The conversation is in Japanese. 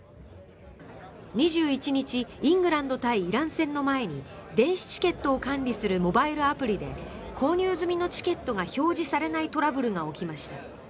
２１日イングランド対イラン戦の前に電子チケットを管理するモバイルアプリで購入済みのチケットが表示されないトラブルが起きました。